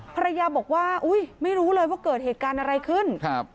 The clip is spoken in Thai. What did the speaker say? ภรรยาบอกว่าอุ้ยไม่รู้เลยว่าเกิดเหตุการณ์อะไรขึ้นครับ